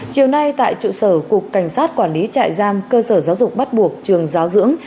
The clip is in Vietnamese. chiều nay tại trụ sở cục cảnh sát quản lý trại giam cơ sở giáo dục bắt buộc trường giáo dưỡng